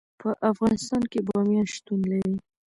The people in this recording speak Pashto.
په افغانستان کې بامیان شتون لري.